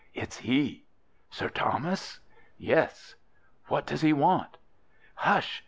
"It's he!" "Sir Thomas?" "Yes." "What does he want?" "Hush!